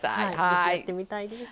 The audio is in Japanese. ぜひやってみたいです。